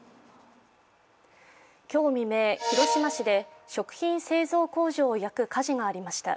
今日未明、広島市で食品製造工場を焼く火事がありました。